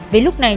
vì lúc này